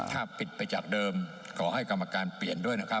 ถ้าปิดไปจากเดิมขอให้กรรมการเปลี่ยนด้วยนะครับ